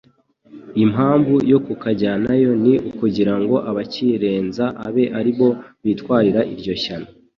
Impamvu yo kukajyana yo ,ni ukugirango abakirenza abe arbo bitwarira iryo shyano